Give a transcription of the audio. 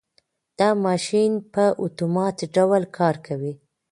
دا ماشین په اتومات ډول کار کوي.